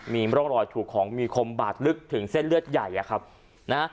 มีร่องรอยถูกของมีคมบาดลึกถึงเส้นเลือดใหญ่อะครับนะ